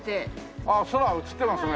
ああ空映ってますね。